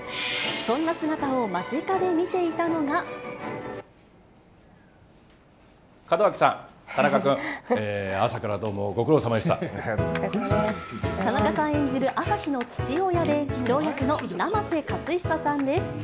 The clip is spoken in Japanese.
そんな姿を間近で見ていたの門脇さん、田中君、田中さん演じる朝陽の父親で、市長役の生瀬勝久さんです。